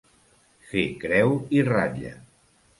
Fer creu i ratlla.